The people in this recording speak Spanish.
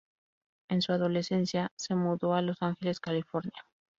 En su adolescencia, se mudó a Los Ángeles, California.